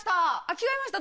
着替えました？